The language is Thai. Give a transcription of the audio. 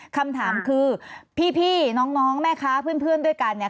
คำถามคือพี่น้องแม่ค้าเพื่อนด้วยกันเนี่ย